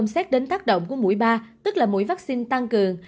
vaccine không xét đến tác động của mũi ba tức là mũi vaccine tăng cường